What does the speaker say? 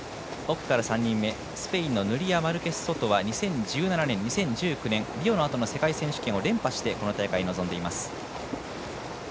スペインのヌリア・マルケスソトは２０１７年、２０１９年リオのあとの世界選手権を連覇してこの大会、臨んでいます。